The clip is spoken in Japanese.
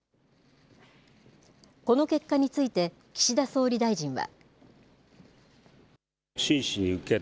この結果について、岸田総理大臣は。